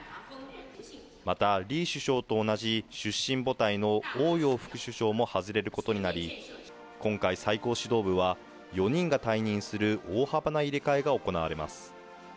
また李首相と同じ出身母体のおうよう副首相も外れることになり、今回、最高指導部は４人が退任する大幅な入れ替えが行われます。